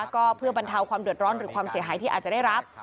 ก็เพื่อบรรเทาความเดือดร้อนหรือความเสียหายที่อาจจะได้รับ